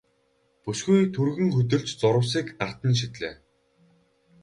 Бүсгүй түргэн хөдөлж зурвасыг гарт нь шидлээ.